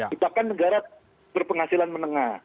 kita kan negara berpenghasilan menengah